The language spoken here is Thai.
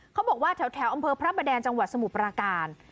เขาบอกว่าแถวอำเภอพระประแดงจังหวัดสมุทรปราการ